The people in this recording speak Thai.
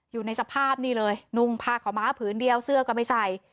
อยู่ในสภาพนี่เลยนุ่งผ้าขาวม้าผืนเดียวเสื้อก็ไม่ใส่